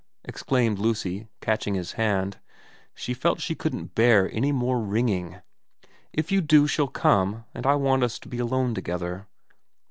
' exclaimed Lucy, catching his hand, she felt she couldn't bear any more ringing. * If you do she'll come, and I want us to be alone together.'